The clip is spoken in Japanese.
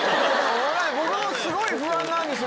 僕もすごい不安なんですよ